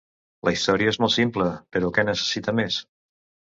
La història és molt simple, però que necessita més?